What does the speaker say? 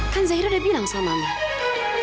kan zahira udah bilang sama mbak